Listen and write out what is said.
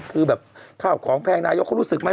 คือแบบข้าวของแพงนายกเขารู้สึกไหม